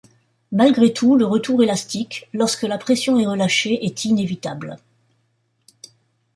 Malgré tout, le retour élastique, lorsque la pression est relâchée, est inévitable.